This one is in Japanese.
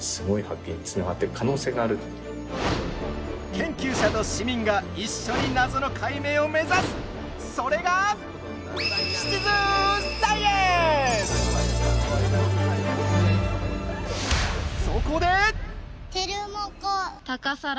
研究者と市民が一緒に謎の解明を目指すそれがてるもこたかさら。